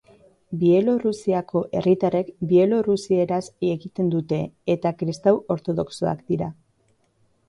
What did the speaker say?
Bielorrusiako herritarrek bielorrusieraz egiten dute eta kristau ortodoxoak dira.